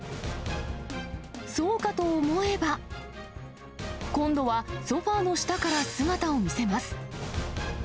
そうかと思えば、今度はソファーの下から姿を見せます。